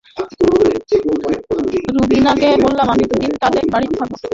রুবিনাকে বললাম, আমি দুদিন তোদের বাড়িতে থাকব।